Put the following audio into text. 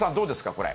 これ。